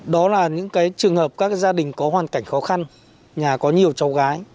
đó là những trường hợp các gia đình có hoàn cảnh khó khăn nhà có nhiều cháu gái